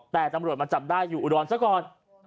แต่ตำรวจมันจับได้อยู่อุดรสักครอบครั้ง